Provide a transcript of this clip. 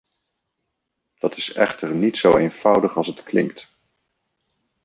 Dat is echter niet zo eenvoudig als het klinkt.